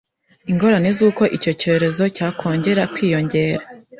ingorane z’uko icyo cyorezo cyakongera kwiyongera